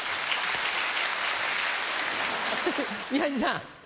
宮治さん。